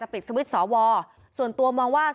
โหวตตามเสียงข้างมาก